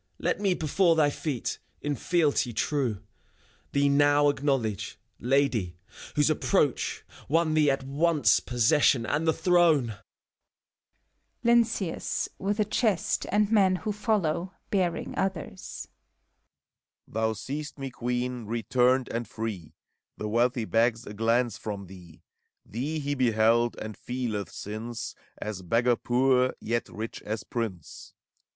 Let me, before thy feet, in fealty true. Thee now acknowledge, Lady, whose approach Won thee at once possession and the throne ! LYNCEUS (vnth a chest, and men who follow, bearing others). Thou seest me, Queen, returned and free! The wealthy begs a glance from thee: Thee he beheld, and feeleth, since. As beggar poor, yet rich as prince.